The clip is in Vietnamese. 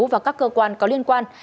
và các cơ quan có liên quan